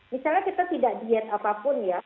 misalnya kita tidak diet apapun ya